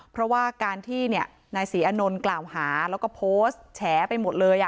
เพราะว่าการที่นายศรีอานนท์กล่าวหาแล้วก็โพสต์แฉไปหมดเลย